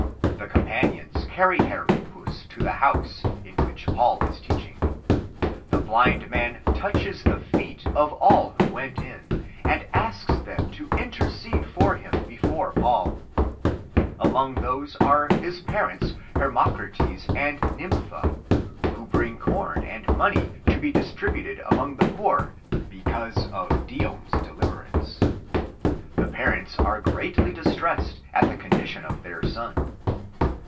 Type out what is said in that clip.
The companions carry Hermippus to the house, in which Paul is teaching. The blind man touches the feet of all who went in and asks them to intercede for him before Paul. Among these are his parents Hermocrates and Nympha who bring corn and money to be distributed among the poor because of Dion's deliverance. The parents are greatly distressed at the con dition of their son.